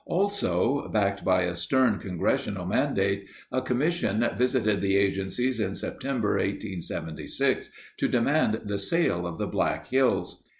Also, backed by a stern congressional mandate, a commission visited the agencies in Sep tember 1876 to demand the sale of the Black Hills.